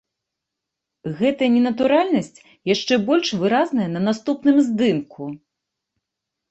Гэтая ненатуральнасць яшчэ больш выразная на наступным здымку.